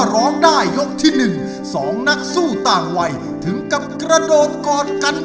ร้องได้กัน